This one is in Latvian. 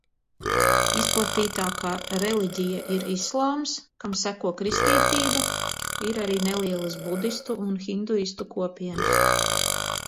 Izplatītākā reliģija ir islāms, kam seko kristietība, ir arī nelielas budistu un hinduistu kopienas.